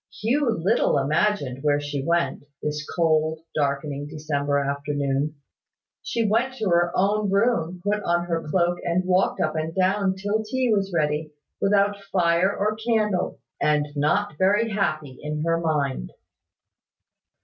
Hugh little imagined where she went, this cold, darkening December afternoon. She went to her own room, put on her cloak, and walked up and down till tea was ready, without fire or candle, and not very happy in her mind.